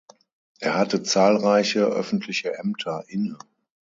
Er hatte zahlreiche öffentliche Ämter inne.